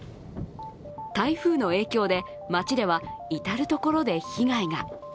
台風の影響で、町では至る所で被害が。